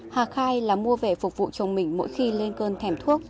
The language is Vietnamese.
hà khai là mua về phục vụ chồng mình mỗi khi lên cơn thèm thuốc